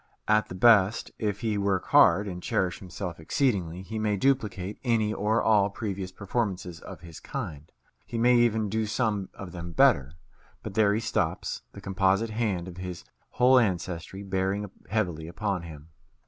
At the best, if he work hard, and cherish himself exceedingly, he may duplicate any or all previous performances of his kind; he may even do some of them better; but there he stops, the composite hand of his whole ancestry bearing heavily upon him.